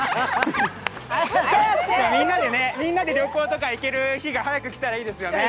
みんなで旅行とか行ける日が早くきたらいいですよね。